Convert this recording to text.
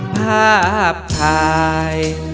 ภาพถ่าย